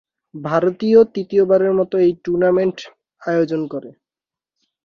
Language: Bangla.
ভারত তৃতীয়বারের মতো এই টুর্নামেন্ট আয়োজন করে।